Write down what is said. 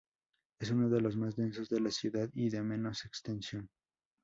Es uno de los más densos de la ciudad y de menos extensión.